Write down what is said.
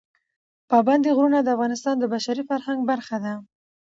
پابندی غرونه د افغانستان د بشري فرهنګ برخه ده.